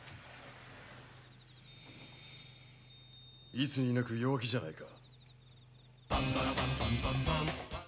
いつになく弱気じゃないか。